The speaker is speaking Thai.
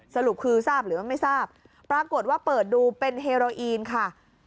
สรุปคือทราบหรือว่าไม่ทราบปรากฏว่าเปิดดูเป็นเฮโรอีนค่ะ